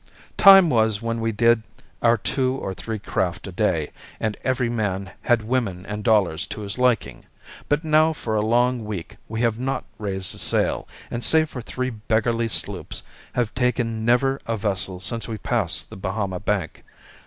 Time was when we did our two or three craft a day, and every man had women and dollars to his liking, but now for a long week we have not raised a sail, and save for three beggarly sloops, have taken never a vessel since we passed the Bahama Bank.